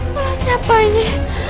malah siapa ini